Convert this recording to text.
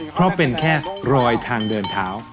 เพราะเป็นแค่รอยทางเดินเท้า